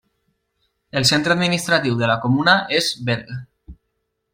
El centre administratiu de la comuna és Berg.